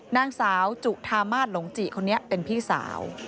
นางสาวจุธามาศหลงจิคนนี้เป็นพี่สาว